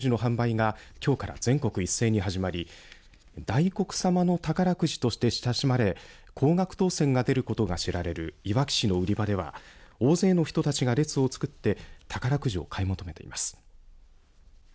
１等と前後賞合わせて１０億円が当たる年末ジャンボ宝くじの発売がきょうから全国一斉に始まり大黒様の宝くじとして親しまれ高額当せんが出ることで知られるいわき市の売り場では大勢の人たちが列を作って宝くじを買い求めています。